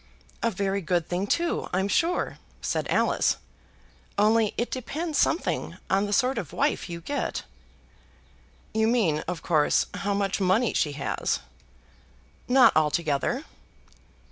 "A very good thing too, I'm sure," said Alice; "only it depends something on the sort of wife you get." "You mean, of course, how much money she has." "Not altogether."